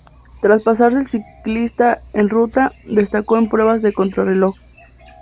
Tras pasarse al ciclismo en ruta, destacó en pruebas de contrarreloj.